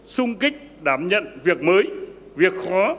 sung kích đảm nhận việc mới việc khó